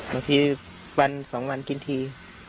บางทีวัน๒วันกินที